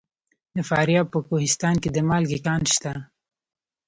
د فاریاب په کوهستان کې د مالګې کان شته.